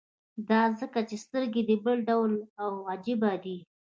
دا ځکه چې سترګې دې بل ډول او عجيبه دي.